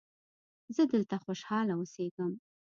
زه دلته خوشحاله اوسیږم.